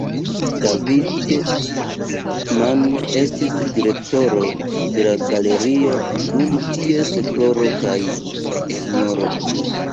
David Mann estis direktoro de la galerio dum ties floro kaj Sro.